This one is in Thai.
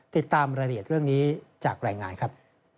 ติดตามรายละเอียดเรื่องนี้จากรายงานครับ